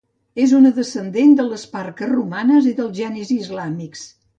És una descendent de les parques romanes i dels genis islàmics.